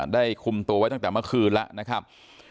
ได้คุมตัวไว้ตั้งแต่เมื่อคืนแล้ว